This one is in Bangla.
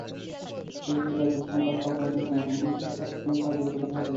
ছুটি শেষে গতকাল সোমবার সকালে নিটিং শাখার শ্রমিকেরা কাজে যোগদান করতে যান।